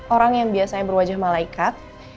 orang yang biasanya berwajah malaikat